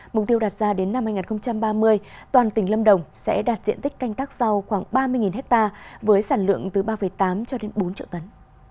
mục tiêu đạt ra đến năm hai nghìn ba mươi toàn tỉnh lâm đồng sẽ đạt diện tích canh tác rau khoảng ba mươi hectare với sản lượng từ ba tám cho đến bốn triệu tấn